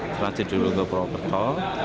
transit dulu ke purwokerto